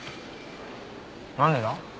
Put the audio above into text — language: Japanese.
何でだ？